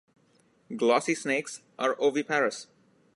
Glossy snakes are oviparous.